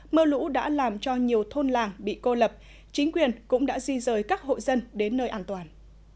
mưa lũ đã làm cho nhiều thôn làng bị cô lập chính quyền cũng đã di rời các hội dân đến nơi an toàn